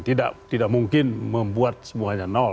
tidak mungkin membuat semuanya nol